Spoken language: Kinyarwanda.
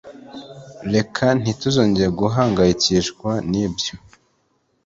reka ntituzongere guhangayikishwa nibyo